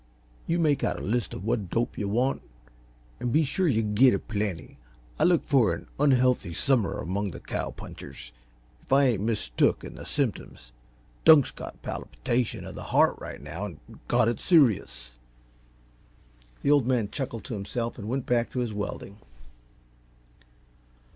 You make out a list of what dope you want and be sure yuh get a plenty. I look for an unhealthy summer among the cow punchers. If I ain't mistook in the symptoms, Dunk's got palpitation uh the heart right now an' got it serious." The Old Man chuckled to himself and went back to his welding.